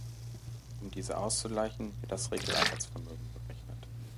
Um diese auszugleichen, wird das Regelarbeitsvermögen berechnet.